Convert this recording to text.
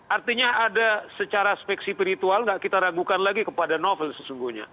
artinya ada secara spek spiritual nggak kita ragukan lagi kepada novel sesungguhnya